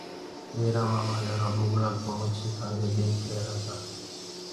ميرآ مآمآ جآرآ بُگلآ ڪوُ مڇيٚ کآندي ديک رهرآ تآ۔